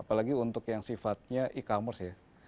apalagi untuk yang sifatnya e commerce ya